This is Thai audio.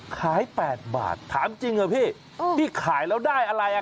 ขาย๘บาทถามจริงเหรอพี่พี่ขายแล้วได้อะไรอ่ะ